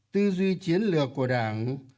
tư duy chiến lược của đảng